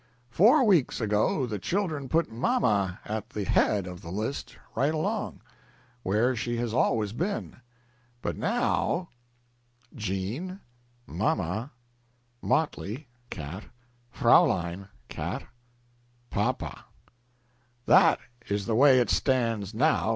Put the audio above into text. Four weeks ago the children put Mama at the head of the list right along, where she has always been, but now: Jean Mama Motley }cat Fraulein }cat Papa "That is the way it stands now.